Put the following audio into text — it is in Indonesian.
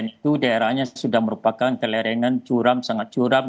tujuh puluh itu daerahnya sudah merupakan kelerengan curam sangat curam